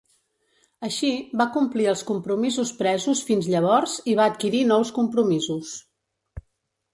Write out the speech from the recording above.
Així, va complir els compromisos presos fins llavors i va adquirir nous compromisos.